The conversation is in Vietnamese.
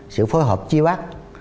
sự phối hợp chi bắt